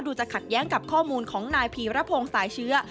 จะขัดแย้งกับข้อมูลของนายพีรพงศ์สายเชื้อ